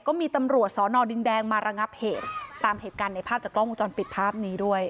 ก็มีตำรวจสอนอดินแดงมาระงับเหตุตามเหตุการณ์ในภาพจากกล้องวงจรปิดภาพนี้ด้วย